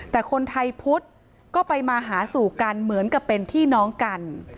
แต่คนไทยพุทธก็ไปมาหาสู่กันเหมือนกับเป็นพี่น้องกัน